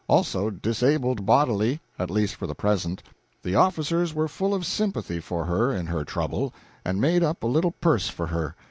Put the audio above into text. Also disabled bodily, at least for the present. The officers were full of sympathy for her in her trouble, and made up a little purse for her.